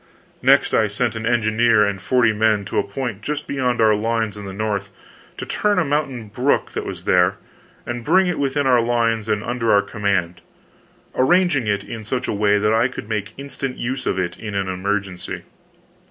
Next, I sent an engineer and forty men to a point just beyond our lines on the south, to turn a mountain brook that was there, and bring it within our lines and under our command, arranging it in such a way that I could make instant use of it in an emergency.